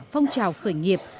phong trào khởi nghiệp